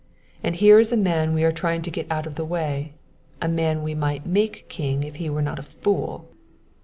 And here is a man we are trying to get out of the way a man we might make king if he were not a fool!